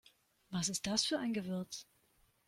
Was ist das für ein Gewürz?